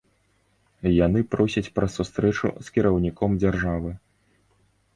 Яны просяць пра сустрэчу з кіраўніком дзяржавы.